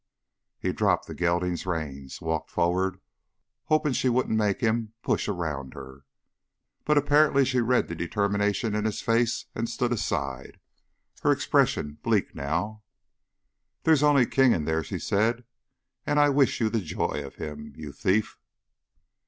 He dropped the gelding's reins, walked forward, hoping she wouldn't make him push around her. But apparently she read the determination in his face and stood aside, her expression bleak now. "There's only King in there," she said. "And I wish you the joy of him, you thief!"